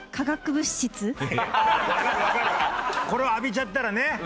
これを浴びちゃったらね